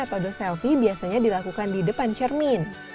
metode selfie biasanya dilakukan di depan cermin